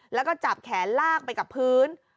แล้วก็จับแขนลากไปกับพื้น